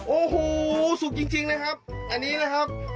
โอ้โหสุกจริงนะครับอันนี้นะครับ